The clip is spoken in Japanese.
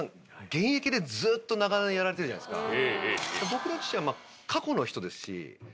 現役でずっと長年やられてるじゃないですか。